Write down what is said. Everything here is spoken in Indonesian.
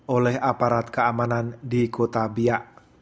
oleh aparat keamanan di kota biak